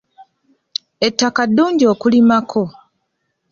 Ettaka ddungi okulima ko.